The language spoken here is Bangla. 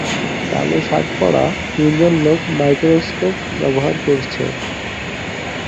কালো শার্ট পরা তিনজন লোক মাইক্রোস্কোপ ব্যবহার করছে।